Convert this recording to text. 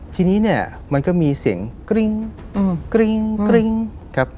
ทีนี้มันก็มีเสียงกริ๊งครับ